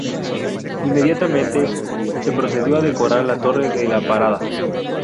Inmediatamente se procedió a decorar la Torre de la Parada.